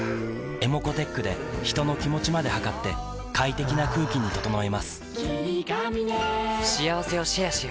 ｅｍｏｃｏーｔｅｃｈで人の気持ちまで測って快適な空気に整えます